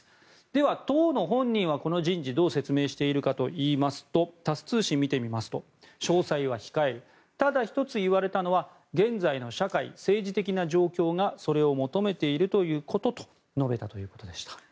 では、当の本人はこの人事をどう説明しているかといいますとタス通信を見てみますと詳細は控えるただ１つ言われたのは現在の社会・政治的な状況がそれを求めているということと述べたということでした。